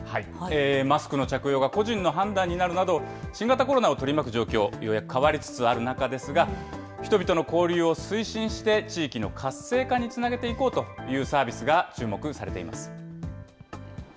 マスクの着用が個人の判断になるなど、新型コロナを取り巻く状況、ようやく変わりつつある中ですが、人々の交流を推進して、地域の活性化につなげていこうというサービスが注目されています。